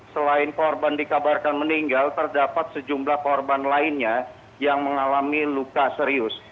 selain korban dikabarkan meninggal terdapat sejumlah korban lainnya yang mengalami luka serius